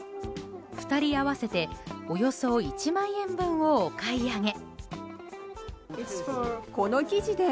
２人合わせておよそ１万円分をお買い上げ。